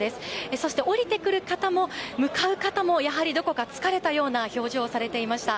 そして降りてくる方も向かう方もやはりどこか疲れたような表情をされていました。